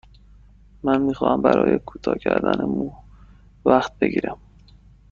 من می خواهم برای کوتاه کردن مو وقت بگیرم.